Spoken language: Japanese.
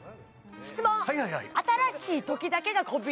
質問